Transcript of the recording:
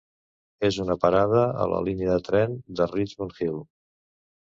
És una parada a la línia de tren de Richmond Hill.